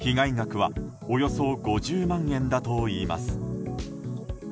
被害額はおよそ５０万円だといいます。